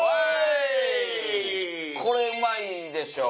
これうまいでしょ。